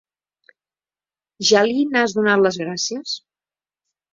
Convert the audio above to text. Ja li n'has donat les gràcies?